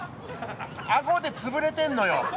アゴでつぶれてるのよ。